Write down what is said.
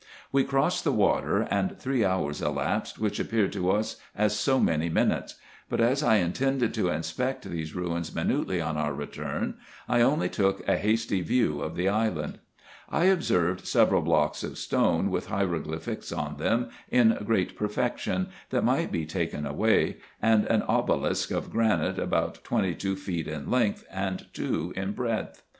We crossed the water, and three hours elapsed, which appeared to us as so many minutes ; but, as I intended to inspect these ruins minutely on our return, I only took a hasty view of the island. I observed several blocks of stones, with hieroglyphics on them in great perfec tion, that might be taken away, and an obelisk of granite about twenty two feet in length, and two in breadth.